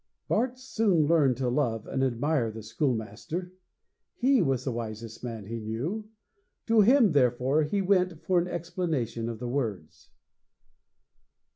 Bart soon learned to love and admire the schoolmaster; he was the wisest man he knew; to him, therefore, he went for an explanation of the words.